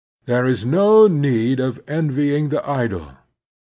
There is no need of envying the idle.